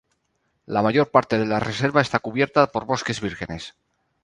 La mayor parte de la reserva está cubierta por bosques vírgenes.